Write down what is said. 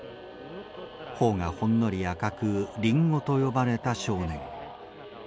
頬がほんのり赤く「りんご」と呼ばれた少年。